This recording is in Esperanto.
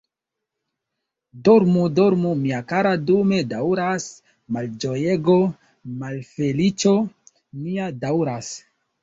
Dormu, dormu, mia kara, dume daŭras malĝojego, malfeliĉo nia daŭras.